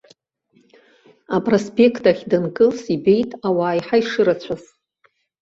Апроспект ахь данкылс, ибеит ауаа иаҳа ишырацәаз.